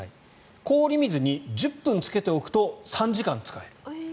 氷水に１０分つけておくと３時間使える。